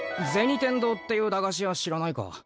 天堂っていう駄菓子屋知らないか？